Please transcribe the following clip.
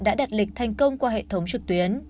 đã đặt lịch thành công qua hệ thống trực tuyến